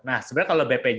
nah sebenarnya kalau bpjs